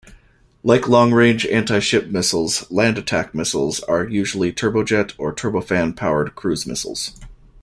Like long-range anti-ship missiles, land-attack missiles are usually turbojet or turbofan powered cruise missiles.